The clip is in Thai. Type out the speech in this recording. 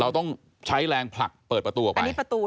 เราต้องใช้แรงผลักเปิดประตูออกไป